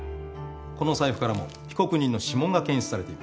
この財布からも被告人の指紋が検出されています。